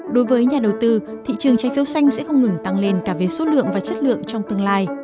đối với nhà đầu tư thị trường trái phiếu xanh sẽ không ngừng tăng lên cả về số lượng và chất lượng trong tương lai